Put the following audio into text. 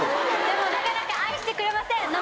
でもなかなか愛してくれません。